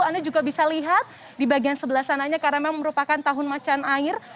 anda juga bisa lihat di bagian sebelah sananya karena memang merupakan tahun macan air